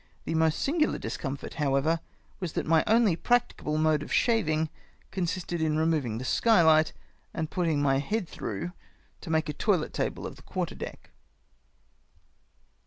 The most singular discomfort, how ever, was that my only practicable mode of shaving consisted in removing the skylight and putting my head through to make a toilet table of the quarter deck.